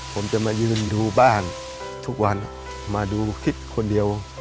ผมจะมายืนดูบ้านทุกวันมาดูคิดคนเดียว